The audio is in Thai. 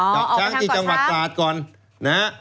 เกาะช้างที่จังหวัดตราดก่อน